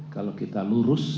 kalau kita lurus